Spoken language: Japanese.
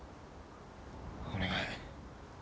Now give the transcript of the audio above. お願い。